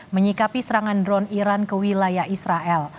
menyikapi serangan drone iran ke wilayah israel